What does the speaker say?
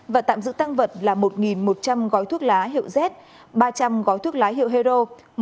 và tạm giữ tăng vật là một một trăm linh gói thuốc lá hiệu z ba trăm linh gói thuốc lá hiệu hero